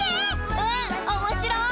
うんおもしろい。